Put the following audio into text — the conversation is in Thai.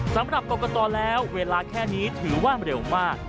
สำหรับกรกตแล้วเวลาแค่นี้ถือว่าเร็วมาก